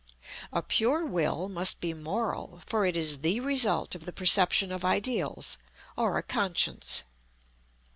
A pure Will must be moral, for it is the result of the perception of Ideals, or a Conscience.